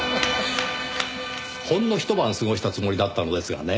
ほんのひと晩過ごしたつもりだったのですがね